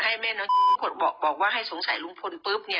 ทีนี้ตำหนวดอาจจะมีอะไรก็ได้ที่ดูครอบครัวตรงนี้ด้วยก็ได้หรือเปล่า